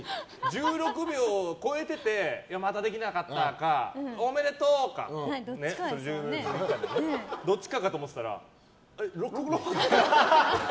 １６秒を超えててまたできなかったかおめでとう！かどっちかかと思ってたらえ、６秒？